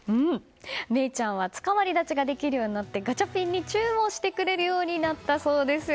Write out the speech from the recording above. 芽生ちゃんはつかまり立ちができるようになってガチャピンにチューもしてくれるようになったそうですよ。